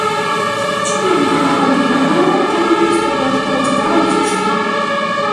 Члены вооруженных группировок будут выступать против правительства.